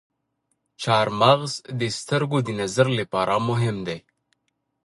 چارمغز د سترګو د نظر لپاره مهم دی.